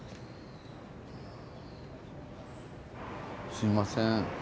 すいません